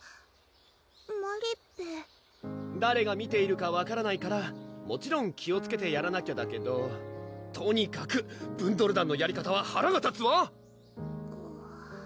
マリッペ誰が見ているか分からないからもちろん気をつけてやらなきゃだけどとにかくブンドル団のやり方は腹が立つわ！